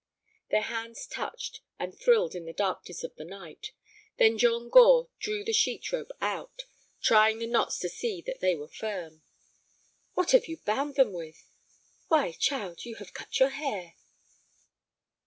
Their hands touched and thrilled in the darkness of the night. Then John Gore drew the sheet rope out, trying the knots to see that they were firm. "What have you bound them with? Why, child, you have cut your hair!"